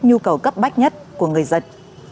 nhu cầu cấp bách nhất của người dân